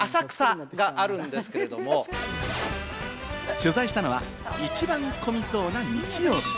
取材したのは一番混みそうな日曜日。